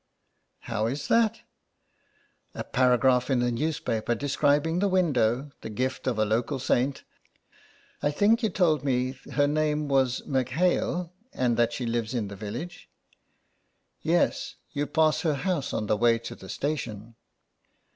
" How is that ?"" A paragraph in the newspaper describing the window, the gift of a local saint. I think you told me her name was M'Hale, and that she lives in the village." " Yes, you pass her house on the way to the station."